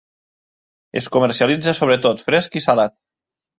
Es comercialitza sobretot fresc i salat.